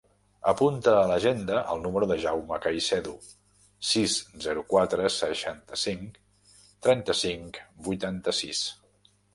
Apunta a l'agenda el número del Jaume Caicedo: sis, zero, quatre, seixanta-cinc, trenta-cinc, vuitanta-sis.